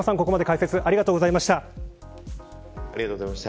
長嶋さん、ここまで解説ありがとうございました。